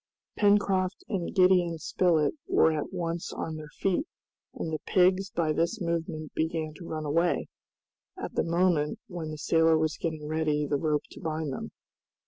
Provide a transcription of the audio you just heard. Pencroft and Gideon Spilett were at once on their feet, and the pigs by this movement began to run away, at the moment when the sailor was getting ready the rope to bind them.